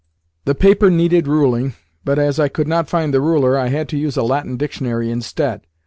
The paper needed ruling, but, as I could not find the ruler, I had to use a Latin dictionary instead.